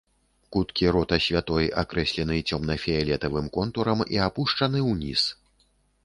Куткі рота святой акрэслены цёмна-фіялетавым контурам і апушчаны ўніз.